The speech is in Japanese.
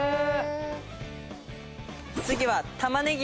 次は玉ねぎ。